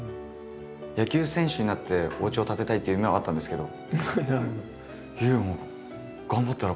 野球選手になっておうちを建てたいっていう夢はあったんですけど。